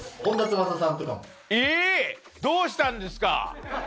どうしたんですか？